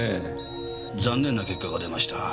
残念な結果が出ました。